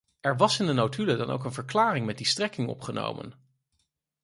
Er was in de notulen dan ook een verklaring met die strekking opgenomen.